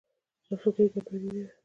دا فکري ګډوډي ده.